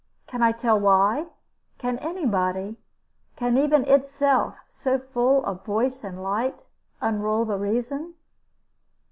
Can I tell why? Can any body? Can even itself, so full of voice and light, unroll the reason?